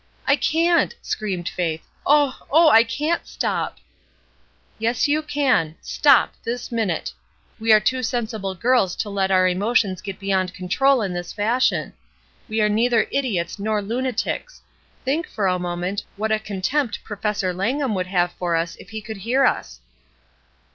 '^ can't!" screamed Faith. "Oh, Oh! I can^t stop !" "Yes, you can. Stop, this minute! We are too sensible girls to let our emotions get beyond control in this fashion. We are neither idiots nor lunatics. Think, for a moment, what a contempt Professor Langham would have for us if he could hear us."